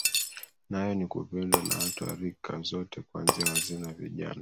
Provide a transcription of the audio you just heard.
Nayo ni kupendwa na watu wa Rika zote kuanzia wazee na vijana